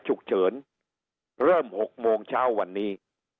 ฉุกเฉินเริ่ม๖โมงเช้าวันนี้